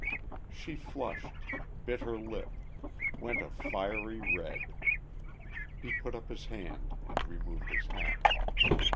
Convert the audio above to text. She flushed, bit her lip, went a fiery red. He put up his hand and removed his hat.